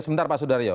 sebentar pak sudaryo